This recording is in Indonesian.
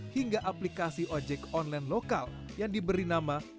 hingga aplikasi ojek online lokal yang diberi nama